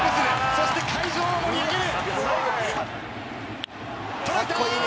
そして会場を盛り上げる！